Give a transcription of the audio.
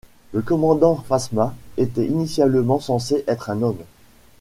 Le commandant Phasma était initialement censé être un homme.